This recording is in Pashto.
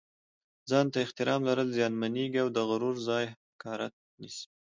ځان ته احترام لرل زیانمېږي او د غرور ځای حقارت نیسي.